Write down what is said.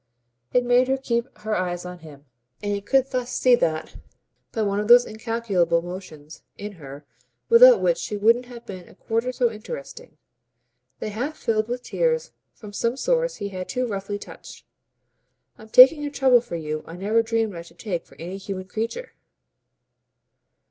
It made her keep her eyes on him, and he could thus see that, by one of those incalculable motions in her without which she wouldn't have been a quarter so interesting, they half filled with tears from some source he had too roughly touched. "I'm taking a trouble for you I never dreamed I should take for any human creature."